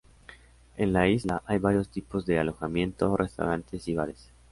En la isla, hay varios tipos de alojamiento, restaurantes y bares.